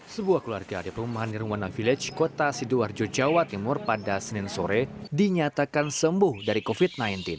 sebuah keluarga di perumahan nirwana village kota sidoarjo jawa timur pada senin sore dinyatakan sembuh dari covid sembilan belas